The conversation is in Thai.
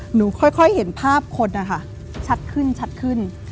หนูค่อยเห็นภาพคนค่ะชัดขึ้น